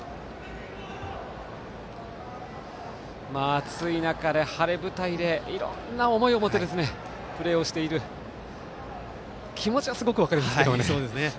暑い中で、晴れ舞台でいろんな思いを持ってプレーをしていますから気持ちはすごく分かりますけどね。